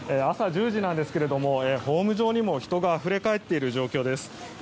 朝１０時なんですがホーム上にも人があふれ返っている状況です。